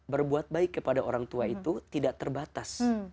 berbuat baik kepada orang tua itu tidak terbatas